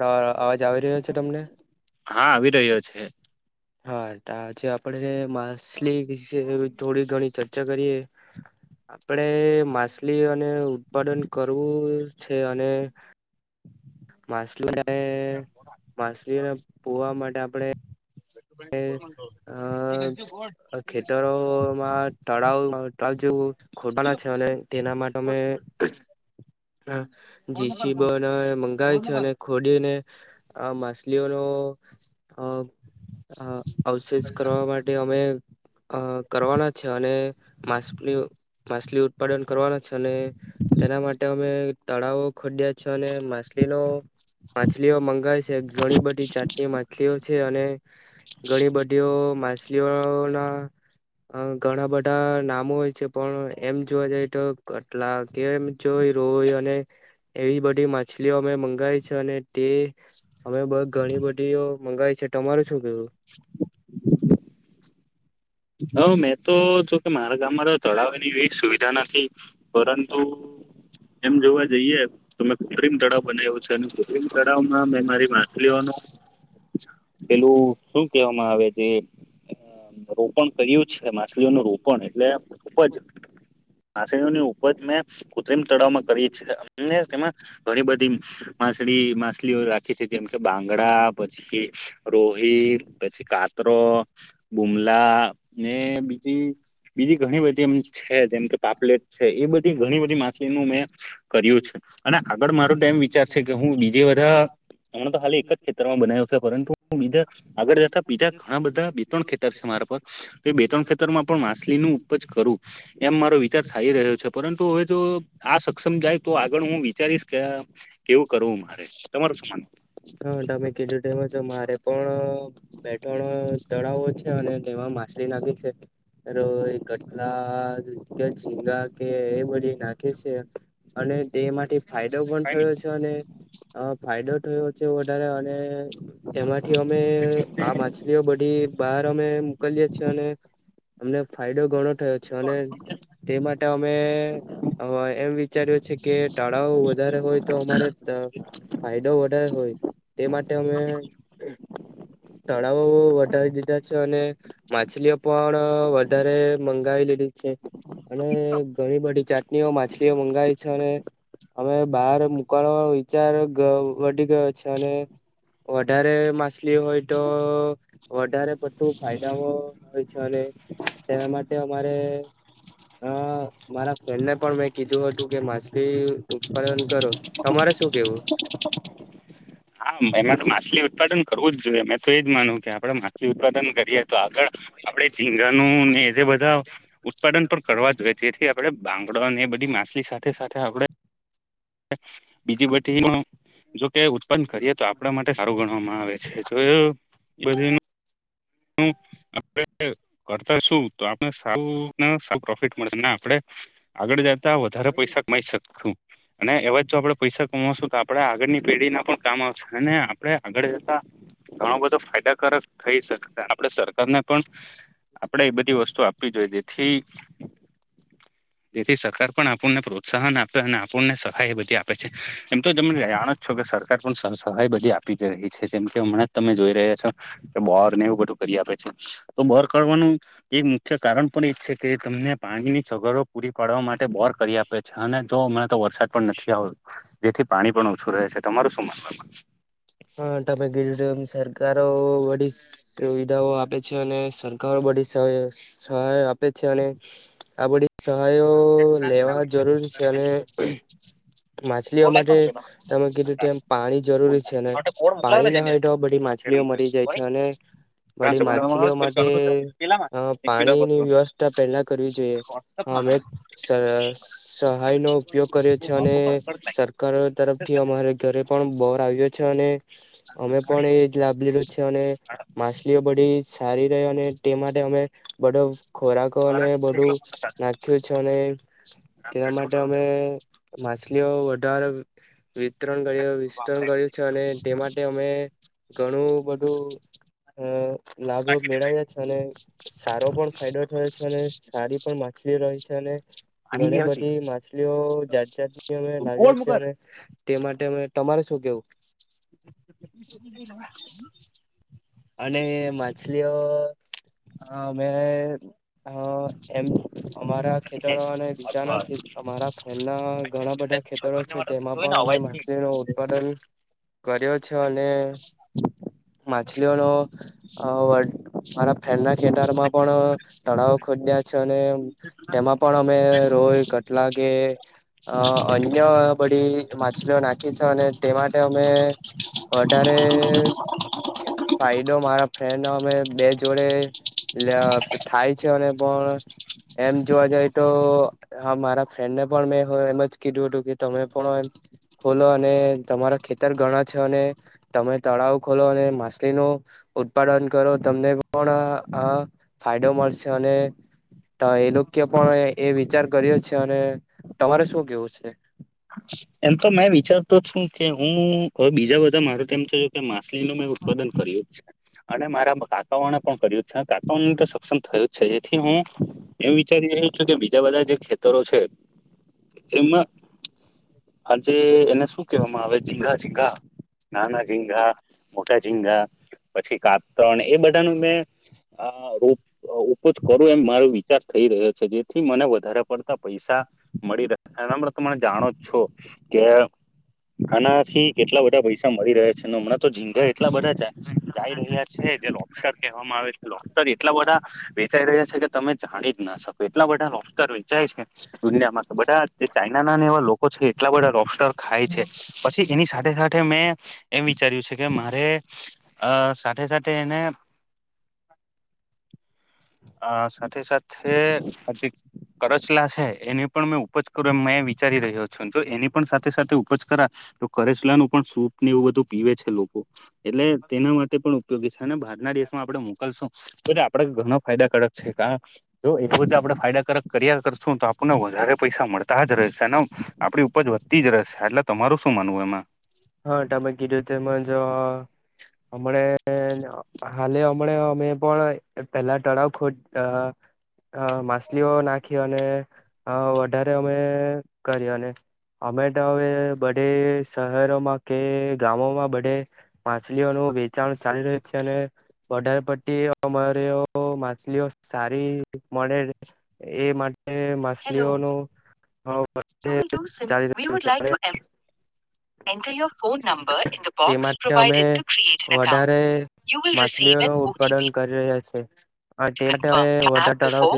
તો અવાજ આવી રહ્યો છે તમને? હા આવી રહ્યો છે હા તો આજે આપણે માછલી વિશે થોડી ઘણી ચર્ચા કરીએ. આપડે માછલી અને ઉત્પાદન કરવું છે. અને માછલી માછલીને પોવા માટે આપડે એ, અ ખેતરોમાં તળાવ તળાવ જેવ ખોવાના છે, અને તેના માટે અમે હ જીસીબી ને મંગાય છે, અને ખોડીને આ માછલીઓનો આ હ અવશેષ કરવા માટે અમે અ કરવાના છે, અને માછલી માછલી ઉત્પાદન કરવાના છે, અને તેના માટે અમે તળાવો ખોદયા છે, અને માછલીનો માછલીઓ મંગાય છે, ઘણી બધી જાતની માછલીઓ છે, અને ઘણી બધીઓ માછલીઓળ ના ઘણા બધા નામો હોય છે, પણ એમ જોવા જઈ તો કેટલા કે એમ જોય રોય અને એવી બધી માછલીઓ અમે મંગાય છે, અને તે અમે ઘણી બધીઓ મંગાવી છે, તમારે શું કેવું. [inaudible] હ મેં તો જોકે મારા ગામમાં તો તળાવની એવી સુવિધા નથી પરંતુ એમ જોવા જઈએે તમે કકુત્રિમ તળાવ બનાવ્યો છે. અને ખૂબ કુત્રિમ તળાવમાં મે મારી માછલીઓનું. પેલું શું કેહેવામાં આવે જે રોપણ કર્યું છે. માછલીઓનું રોપણ એટલે ઉપજ માછલીઓની ઉપજ મેં કૃત્રિમ તળાવમાં કરીએ છે. અને તેમાં ઘણી બધી માછલી માછલીઓ રાખી. કે જેથી એમ કે બાંગડા પછી રોહી પછી કાત્રો, બુમલા પલા ને બીજી બીજી ઘણી બધી એમ છે. જેમ કે પાપલેટ છે. એ બધી ઘણી બધી માછલીનું મેં કર્યું છે. અને આગળ મારો તો એમ વિચાર છે. કે હું બીજે બધા હમણાં તો હા એક જ ખેતર માં બનાવ્યું છે. પરંતુ હું બીજા આગળ જતા બીજા ઘણા બધા બે ત્રણ ખેતર વિચાર છે મારે પણ કે બે ત્રણ ખેતરમાં પણ માછલીનુ ઉપજ કરુ એમ મારો વિચાર થઈ રહ્યો છે. પરંતુ હવે જો આ સક્ષમ જાય તો આગળ હું વિચારીશ કે કેવું કરવું મારે તમારૂં શું માનવું. હા તમે કીધું તેમ મારે પણ બે ત્રણ તળાવો છે. અને તેમાં માછલી નાખી છે. રોહી, કટલા, ઝીંગા કે એ બધી નાખે છે. તે માટેથી ફાયદો પણ થયો છે અને અ ફાયદો થયો છે. વધારે. એમાંથી અમે આ માછલીઓ બધી એ બહાર અમે મોકલીએ છીએ અને અમને ફાયદો ઘણો થયો છે અને તે માટે અમે હ એમ વિચાર્યું છે કે ટાળાઓ વધારે હોય તો અમારે ફાયદો વધારે હોય તે માટે અમે તળાવો વધારી દીધા છે. અને માછલીઓ પણ વધારે મંગાવી લીધી. છે. અને ઘણી બધી જાતની ઓ માછલીઓ મંગાય છે અને હવે બહાર મુકળવાનો વિચાર ગ વધી ગયો. છે, અને માછલી હોય, તો વધારે બધું ફાયદાઓ હોય છે. અને તેના માટે અમારે અ મારા ફ્રેન્ડને પણ મેં કીધું હતું કે માછલી ઉત્પાદન કરો તમારે શું કેવું? હા, એમાં તો માછલી ઉત્પાદન કરવું જ જોઈએ મેં તો એજ માનું કે આપડે માછલી ઉત્પાદન કરીએ તો આગળ આપડે ઝીંગાનુ, ને જે બધા ઉત્પાદન પણ કરવા જઈ જેથી આપડે બાંગડા ને એ બધી માછલી, સાથે સાથે આપણે બીજી બધી જોકે ઉત્પન્ન કરીએ તો આપણા માટે સારું ગણવામાં આવે છે, તો એ બધ હ, આપ કરતા શું તો આપને સારું સારું પ્રોફિટ મળશે ના આપડે આગળ, જતા વધારે પૈસા કમાઈ શકશૂ. અને એવા જ જો આપણેે પૈસા કમાવશું તો આપણેે આગળની પેઢી ના પણ કામ આવશે અને આપણે આગળ જતા ઘણો બધો ફાયદાકારક થઇ શકે. આપડે સરકારને પણ આપણેે એ બધી વસ્તુ આપવી જોઈએ જેથી જેથી સરકાર પણ આપણને પ્રોત્સાહન આપે. અને આપણને સહાય બધી આપે છે એમ તો તમે જાણો જ છો કે સરકાર પણ સ સહાય બધી આપી જ રહી. છે. જેમ કે હમણાં જ તમે જોઈ રહ્યા છો કે બોર ને એવું બધું કરી આપે છે તો બોર કરવાનું એ મુખ્ય કારણ પણ એ છે કે તમને પાણીની સગવડો પૂરી પાડવા માટે બોર કરી આપે છે અને જો હમણાં તો વરસાદ પણ નથી આવતો જેથી પાણી પણ ઓછું રહે છે. તમારું શું માનવાનું. હા તમે કીધું તેમ સરકારો બધી સુવિધાઓ આપે છે. અને સરકારો બધી સહ સહાય આપે. છે, અને આ બધી સહાયો લેવા જરૂર છે. અને માછલીઓ માટે તમે કીધું કે એમ પાણી જરૂરી છે. ને પાણી ના હોય તો બધી છે માછલી મરી જાય છે. અને મળી માછલીઓ માટે પાણીની વ્યવસ્થા પહેલા કરવી જોઈએ વોટ્સઅપમા સહાય નો ઉપયોગ, કરીએ અને સરકાર તરફથી અમારે ઘરે પણ બોર આવ્યો છે, અને અમે પણ એજ લાભ લિધો છે, અને માછલીઓ બધી સારી રહે, અને તે માટે અમે બધો ખોરાકોને બધું નાખ્યું છે. અનેને તેના માટે અમે માછલીઓ વધારે વિતરણ કર વિતરણ કર્યું છે. અને તે માટે અમે ઘણું, બધુ લાભ મેળવ્યા છે, અને સારો પણ ફાયદો થયો છે અને સારી પણ માછલી રય અને ઘણી મુકેશ બધી માછલીઓ અમે લાવ્યા છીએ, અને તે માટે અમે તમારે શું કેવું? [unintelligible] [inaudible] અને માછલીઓ મે હ, એમ અમારા ખેતરો અને બીજાના અમારા ફેન્ડના ઘણા બધા ખેતરો છે, તેમાં પણ અમે માછલી ન ઉત્પાદન કર્યો છે, અને મારા ફેન્ડના ખેતરમાં પણ તળાવ ખોદા છે. અને તેમાં પણ અમે રોય કટલા કે અન્ય બધી માછલીઓ નાખી છે. અને તે માટે અમે વધારે ફાયદો મારા ફ્રેન્ડ અમે બે જોડે થાય છે, અને પણ એમ જોવા જઈ તો હા મારા ફ્રેન્ડને પણ મેં એમ જ કીધું હતુ, કે તમે પણ ખોલો અને તમારા ખેતર ઘણા છે, અને તમે તળાવ ખોલો અને મા ન ઉત્પાદન કરો તમને પણ આ ફાયદો મળશે અને તો એ લોકો પણ એ વિચાર કર્યો છે, અને તમારે શું કેવું છે. એમ તો મેં વિચારતો છુ, કે હું હવે બીજા બધા મારું તેમમ તો કે મા મેં ઉત્પાદન કર્યુ અને મારા કાકાવાને પણ કર્યું છે, કાકાવાણ તો સક્ષમ થયું છે, જેથી હુ એમ વિચારી રહ્યો છુ, કે બીજા બધા જે ખેતરો છે. એમાં હમ આજે એને શું કેહેવામાં, આવે ઝીંગા-ઝીંગા નાના ઝીંગા, મોટા ઝીંગા પછી. કાપણ એ બધાનું મે હા, રૂપ ઉપજ કરવો એમ મારો વિચાર થઈ રહ્યો છે. જેથી મને વધારે પડતા પૈસા મળી રહે હમે, તમે જાણો છો. કે આના થી એટલા બધા પૈસા મળી રહ્યા છે, અને હમણાં તો ઝીંધા એટલા બધા જ જઈ રહ્યા છે. ર કહે આવે છેર, એટલા બધા વેચાઈ રહ્યા છે. કે તમે જાણી જ ના શકો એટલા બધા ર વેચાય છે, દુનિયામાં બધા જે ચાઈના ના ને એવા લોકો છે. આટલા બધા રોસ્ટર ખાય છે, પછી એની સાથે સાથે મેં એમ વિચાર્યું છે. કે મારે અ સાથે, સાથે એને આ સાથે- સાથે હજી કરચલા છે, એની પણ મેં ઉપજ કરું એ વિચારી રહ્યો છુ. તો એની પણ સાથે સાથે ઉપજ કરા તો કરેચલાનુ પણ સૂપ ને એવું બધું પીવે છે. લોકો એટલે તેના માટે પણ ઉપયોગી છે. અને બહાર ના દિવેશમાં આપડણે મોકલશું તો આપડે ઘણા ફાયદા કડક છે, કાર જો એ બતે આપડણે ફાયદાકારક કર્યા કરશું તો આપણને વધારે પૈસા મળતા જ રહેશેને આપડી ઉપજ વધતી જ રહેશે, એટલે તમારુ શું માનવુ એમા હા, તમે કીધું તેમજ હમણા હાલે હમણા મેં પણ પેલા તળાવ, ખોદ માછલીઓ નાખી અને હ, વધારે અમે કરી અને અમે, તો હવે બધે શહેરોમા, કે ગામોમા બધે માછલીઓનું વેચાણ ચાલી રહ્યું છે, અને પ્ટી અમરે માછલીઓ, સારી મળે એ માટે એ હેલો માછલીઓનુ you will do sim we, would like છે to M add your phone number એઇ the તે બોક્સ માટે provided to create an account માછલીઓ ન ઉત્પાદન કરી રહ્યા છે. હ તે માટે વધ ટરાાવ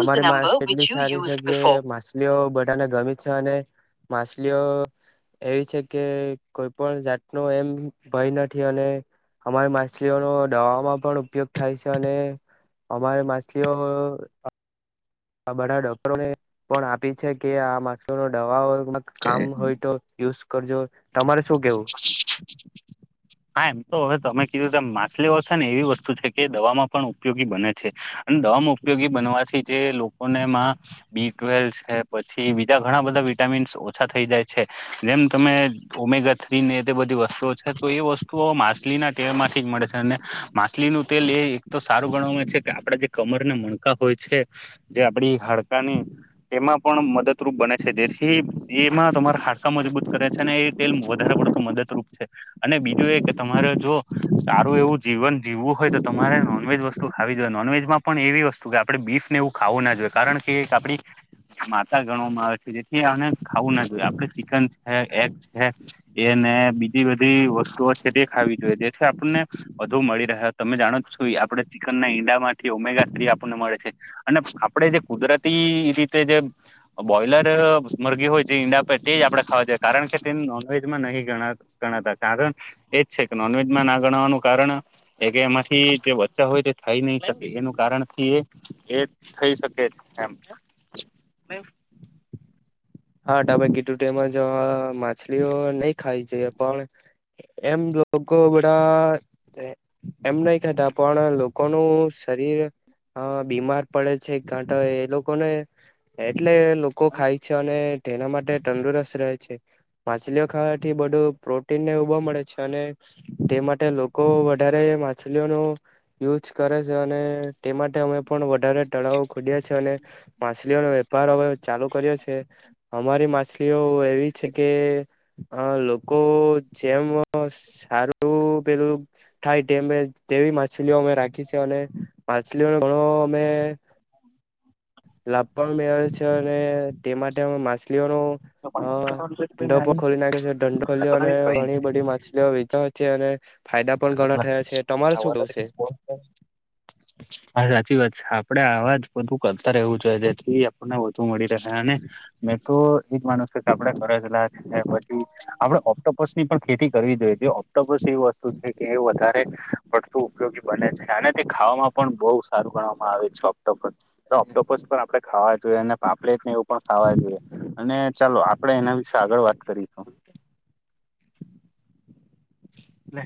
અમારી માસ કેટલી સારી છે, કે માછલીઓ ગમી છે, અને માછલીઓ એવી છે, કે કોઈ પણ જાતનો એમ ભય નથી, અને અમારી માછલીઓનો, દવામાં પણ ઉપયોગ થાય છે, અને અમારે માછલીઓ આ બધા ડોક્ટરોને પણ આપી છે, કે આ માસુ નો દવા કામ હોય, તો યુઝ કરજો તમારે શું કેવુ હા, એમ તો હવે તમે કીધું ત માછલી ઓછન એવી વસ્તુ છે. કે દવામાં પણ ઉપયોગી બને છે તમામ ઉપયોગી બનવા છે. જે લોકોને એમાં બી ટવેલ છે, પછી બીજા ઘણા બધા વિટામીન્સ ઓછા થઈ જાય છે, જેમ તમે ઓમેગા થ્રી ને એ બધી વસ્તુઓ છે, તો એ વસ્તુઓ માછલી ના તેલ માંથી જ મળે છે, અને માછલી નું તેલ એ એક સારું ગણ છે, કે આપણે જે કમરને મણકા હોય છે, જે આપડી હાડકાની એમાં પણ મદદરૂપ બને છે, જેથી એમાં તમારા હાડકા મજબૂત કરે છે, અને એ તેલ વધારે પડતું મદદરૂપ છે અને બીજું એ કે તમારે જો સારું એવું જીવન જીવુ હોય, તો તમારે નોનવેજ વસ્તુ ખાવી જોઈએ નોનવેજ માં પણ એવી વસ્તુ આપે બીફ ને એવું ખાવુના જોઈએ, કારણ કે એક આપડી માતા ગણવામાં આવે છે, જેથી ખાવું ના જોઈએ આપડે ચિકન છે, એગ છે. એને બીજી બધી વસ્તુઓ છે, તે ખાવી થી આપને વધુ મળી રહે તમે જાણો છો આપણે ચિકન ઈંડામાંથીમેગ મળે છે, આપડે જે કુદરતી રીતે જે બોલર હોય જે ઈંડા તે જ આપણે ખવાએ કારણ કે તે, નોનવેજમાં નહી ગણાતા કારણ નોનવેજમાં ના ગણવાનું કારણ એ, એમાંથી તે વધતા હોય તે થઈ નહી શકે એનું કારણ એ થઈ શકે એમ હા તમે તેમજ કી ધૂ માછલીઓ નહી ખાવી જોઈએ પણ એમ લોકો બણાં એમ, નહી ખતા પણ લોકોનું શરીર અ બીમાર પડે છે, એક ઘાંટા એ લોકોને એટલે લોકો ખાય છે, અને તેના માટે તંદુરસ્ત માછલીઓ ખાવાથી બધું પ્રોટીન ને ઉભો મળે છે, અને તે માટે લોકો લોકો, વધારે માછલીઓ ન યુ [unintelligible] છે, અને તે માટે અમે પણ વધારે તળાવો ખુદ્યા છે, અને મા માછલીઓ નો વેપાર હવે ચાલુ કર્યો છે, અમારી માછલીઓ એવી છે, કે અ લોકો જેમ સારુ પેલું થાય તેમ તેવી માછલીઓ અમે રાખી છે, અને માછલીઓ ઘણો મે લાભ પણ મેળે છે, અને તે માટે અ માછલી માલીઓ હા ન અ ડપ ખોલી નાખે છેં, [unintelligible] ખોલીઓ અને ઘણી બધી માછલીઓ [unintelligible] ઘણા [unintelligible] થયા છે તમારે શું કેવું છે? આપડે આવાજ બધું કરતા રહેવુ, જોઈએ જેથી આપને મળી રહે અને, મેટ્રો એજ માણસ આપડ કરજલા છે, પછી આપડ ઓપો ઓસની પણ ખેતી કરવી જોઈએ ઓપ્ટોપસ એવી વસ્તુ છે. કે એ વધારે પડતું ઉપયોગી બને છે, અને તે ખાવામાં પણ બહુ સારું ગણવામાં આવે છે. ટોપ ટોપસ પણ આપડે ખાવા જોઈએ અને પાપલેટ એ પણ ખાવા જોઈએ અને, ચાલો આપડે એના વિશે આગળ વાત કરીશું લે